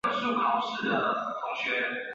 湄拉为女王和水行侠的爱人。